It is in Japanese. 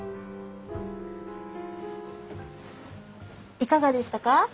いかがでしたか？